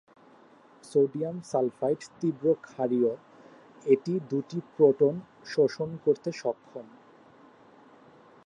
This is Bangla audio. সোডিয়াম সালফাইড তীব্র ক্ষারীয় এটি দুটি প্রোটন শোষণ করতে সক্ষম।